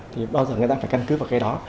thì bao giờ người ta phải căn cứ vào cái đó